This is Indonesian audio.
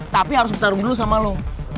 tapi harus bertarung dulu sama lo